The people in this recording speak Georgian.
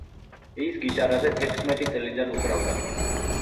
ის გიტარაზე თექვსმეტი წლიდან უკრავდა.